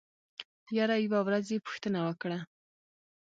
يره يوه ورځ يې پوښتنه وکړه.